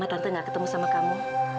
tante gak ketemu sama kamu